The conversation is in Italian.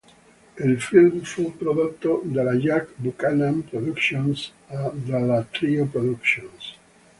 Il film fu prodotto dalla Jack Buchanan Productions e dalla Trio Productions.